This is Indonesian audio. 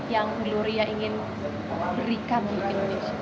yang gloria ingin berikan di indonesia